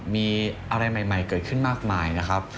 มีอะไรใหม่เกิดขึ้นมากมายนะครับ